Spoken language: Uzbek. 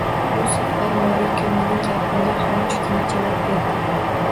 Bu safar Moriko mening gapimga xomushgina javob berdi.